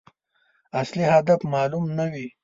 اصلي هدف معلوم نه وي.